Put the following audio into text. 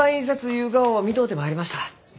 ゆうがを見とうて参りました。